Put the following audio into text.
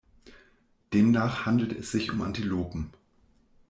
Demnach handelt es sich um Antilopen.